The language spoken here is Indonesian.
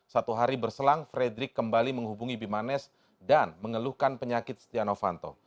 satu hari berselang fredrik kembali menghubungi bimanes dan mengeluhkan penyakit stianofanto